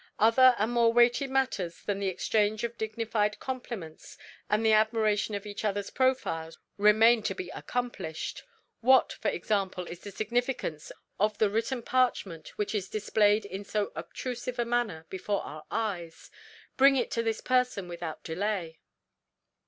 "Other and more weighty matters than the exchange of dignified compliments and the admiration of each other's profiles remain to be accomplished. What, for example, is the significance of the written parchment which is displayed in so obtrusive a manner before our eyes? Bring it to this person without delay."